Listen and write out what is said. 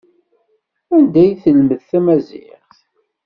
Anda ay telmed tamaziɣt?